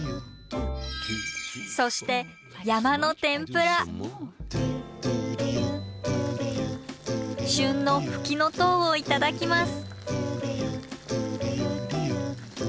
そして旬のフキノトウを頂きます。